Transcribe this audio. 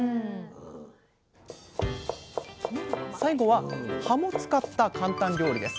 最後は葉も使ったかんたん料理です。